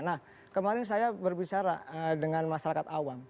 nah kemarin saya berbicara dengan masyarakat awam